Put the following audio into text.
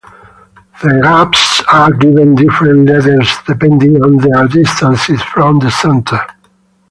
The gaps are given different letters depending on their distance from the center.